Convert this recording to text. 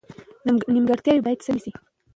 نیمګړتیاوې باید سمې شي.